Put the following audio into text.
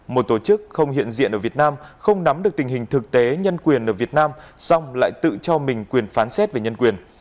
một tổ chức không hiện diện ở việt nam không nắm được tình hình thực tế nhân quyền ở việt nam xong lại tự cho mình quyền phán xét về nhân quyền